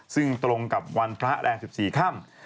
ซึ่งตรงกับวันพระแรง๑๔ค่ำ